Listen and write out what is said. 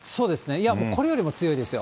いや、これよりも強いですよ。